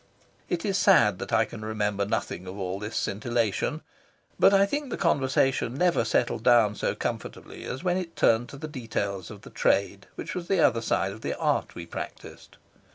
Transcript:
It is sad that I can remember nothing of all this scintillation. But I think the conversation never settled down so comfortably as when it turned to the details of the trade which was the other side of the art we practised.